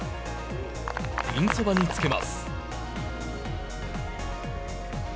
ピンそばにつけます。